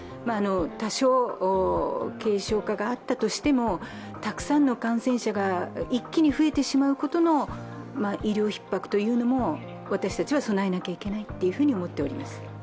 多少、軽症化があったとしても、感染者が一気に増えてしまうことの医療ひっ迫にも私たちは備えなきゃいけないと思っております。